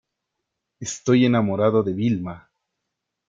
estoy enamorado de Vilma.